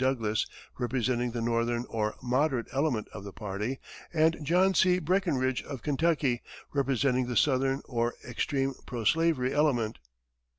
Douglas, representing the northern or moderate element of the party, and John C. Breckenridge, of Kentucky, representing the southern, or extreme pro slavery element.